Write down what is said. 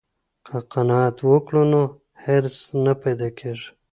که قناعت وکړو نو حرص نه پیدا کیږي.